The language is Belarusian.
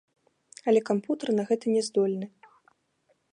Але кампутар на гэта не здольны.